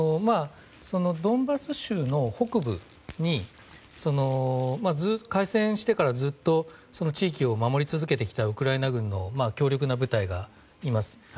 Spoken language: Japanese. ドンバス州の北部に開戦してからずっと地域を守り続けてきたウクライナ軍の強力な部隊がいます。